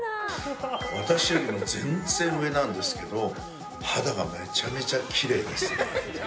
私よりも全然上なんですけど肌がめちゃめちゃきれいですね。